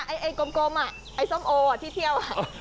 ไอ้กลมไอ้ส้มโอที่เที่ยว